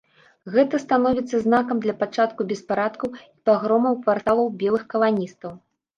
Гэта становіцца знакам для пачатку беспарадкаў і пагромаў кварталаў белых каланістаў.